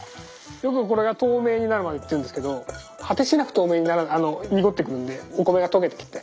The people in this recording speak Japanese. よくこれが透明になるまでっていうんですけど果てしなく透明にならあの濁ってくるんでお米が溶けてきて。